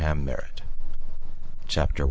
MERRITT CHAPTER I.